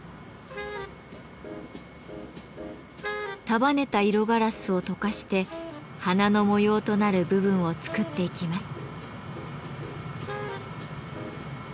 束ねた色ガラスを溶かして花の模様となる部分を作っていきます。